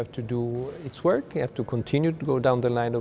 và tiếp tục đi dưới đường phương pháp